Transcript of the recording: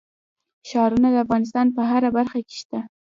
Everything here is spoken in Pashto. ښارونه د افغانستان په هره برخه کې شته.